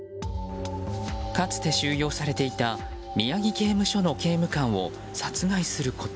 かつて収容されていた宮城刑務所の刑務官を殺害すること。